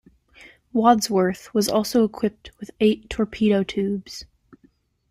"Wadsworth" was also equipped with eight torpedo tubes.